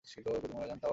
যদি মরে যান, তাও অমর!